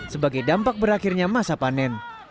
sebagai dampak berakhirnya masa panen